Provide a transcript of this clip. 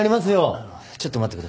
あのちょっと待ってください。